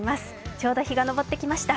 ちょうど日が昇ってきました。